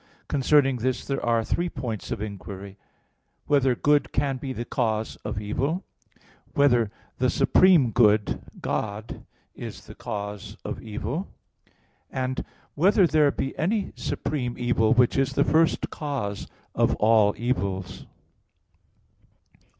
Concerning this there are three points of inquiry: (1) Whether good can be the cause of evil? (2) Whether the supreme good, God, is the cause of evil? (3) Whether there be any supreme evil, which is the first cause of all evils?